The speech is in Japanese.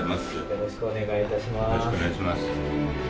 よろしくお願いします。